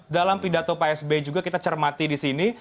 dalam pidato psb juga kita cermati di sini